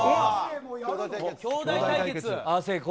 兄弟対決。